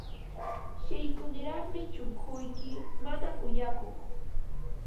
Shillkuniraqmi shunquyki, mana kuyakuq.